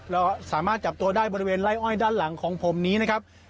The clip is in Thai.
แล้วสามารถจับตัวได้บริเวณไล่อ้อยด้านหลังของผมนี้นะครับ